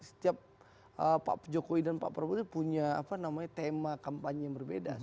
setiap pak jokowi dan pak prabowo itu punya tema kampanye yang berbeda